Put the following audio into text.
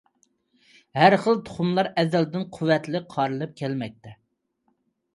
ھەر خىل تۇخۇملار ئەزەلدىن قۇۋۋەتلىك قارىلىپ كەلمەكتە.